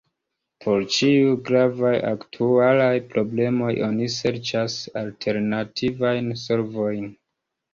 Por ĉiuj gravaj aktualaj problemoj oni serĉas alternativajn solvojn.